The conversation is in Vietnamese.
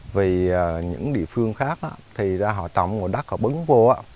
vì những địa phương khác thì họ trồng ở đất bứng vô